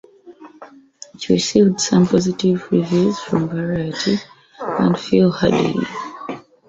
It received some positive reviews from "Variety" and Phil Hardy.